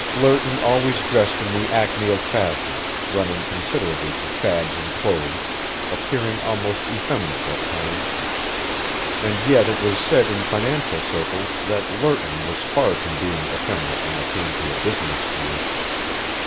Lerton always dressed in the acme of fashion, running considerably to fads in clothes, appearing almost effeminate at times. And yet it was said in financial circles that Lerton was far from being effeminate when it came to a business deal.